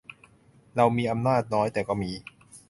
เรามีอำนาจน้อย แต่ก็มี